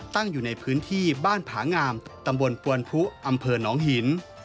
ตั้งอยู่ในพื้นที่บ้านผางามตำบลปวนพุอำเภอหนองหิน